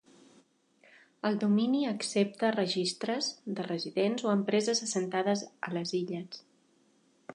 El domini accepta registres de residents o empreses assentades a les illes.